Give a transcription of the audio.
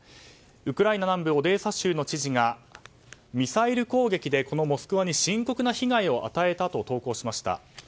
ウクライナ南部オデーサ州の知事がミサイル攻撃でこの「モスクワ」に深刻な被害を与えたと投稿しました。